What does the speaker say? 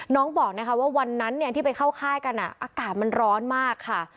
น้องบอกนะคะว่าวันนั้นที่ไปเข้าค่ายกันอากาศมันร้อนมากค่ะ